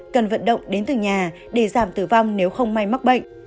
cần vận động đến từng nhà để giảm tử vong nếu không may mắc bệnh